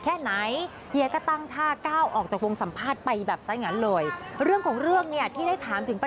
แล้วก็เดินออกไปเลยคุณผู้ชมค่ะ